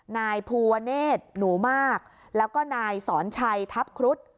นายภูวะเนธหนูมากแล้วก็นายสอนชัยทัพครุฑ